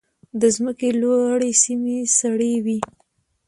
د ځمکې لوړې سیمې سړې وي.